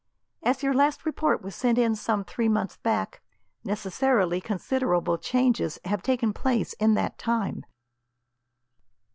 As your last report was sent in some three months back, necessarily considerable changes have taken place, in that time."